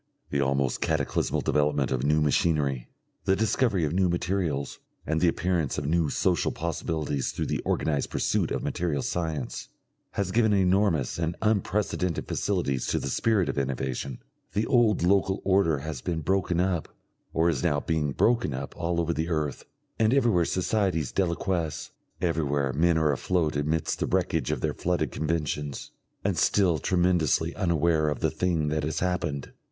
The almost cataclysmal development of new machinery, the discovery of new materials, and the appearance of new social possibilities through the organised pursuit of material science, has given enormous and unprecedented facilities to the spirit of innovation. The old local order has been broken up or is now being broken up all over the earth, and everywhere societies deliquesce, everywhere men are afloat amidst the wreckage of their flooded conventions, and still tremendously unaware of the thing that has happened.